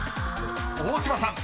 ［大島さん］